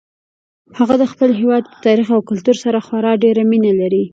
هغه د خپل هیواد د تاریخ او کلتور سره خورا ډیره مینه لري